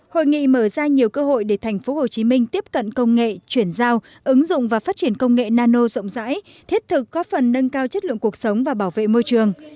hội nghị mở ra nhiều cơ hội để thành phố hồ chí minh tiếp cận công nghệ chuyển giao ứng dụng và phát triển công nghệ nano rộng rãi thiết thực có phần nâng cao chất lượng cuộc sống và bảo vệ môi trường